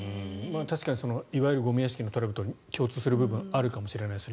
確かにいわゆるゴミ屋敷のトラブルと共通するかもしれないですね